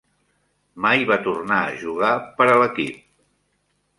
Mai va tornar a jugar per a l'equip.